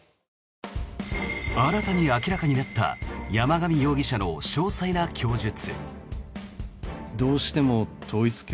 新たに明らかになった山上容疑者の詳細な供述。